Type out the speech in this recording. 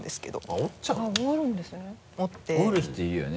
折る人いるよね。